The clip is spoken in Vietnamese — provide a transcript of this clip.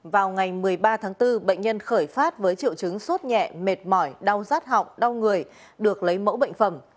vào ngày một mươi ba tháng bốn bệnh nhân khởi phát với triệu chứng sốt nhẹ mệt mỏi đau rát họng đau người được lấy mẫu bệnh phẩm